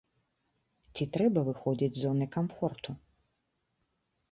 Ці трэба выходзіць з зоны камфорту?